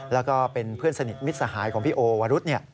แล้วก็เป็นเพื่อนสนิทมิตรสหายของพี่โอวรุธ